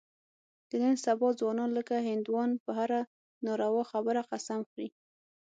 د نن سبا ځوانان لکه هندوان په هره ناروا خبره قسم خوري.